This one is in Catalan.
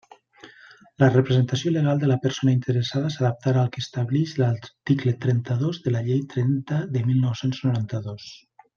La representació legal de la persona interessada s'adaptarà al que establix l'article trenta-dos de la Llei trenta de mil nou-cents noranta-dos.